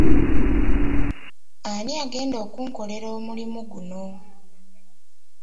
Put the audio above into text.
Ani agenda okunkolerako omulimu guno?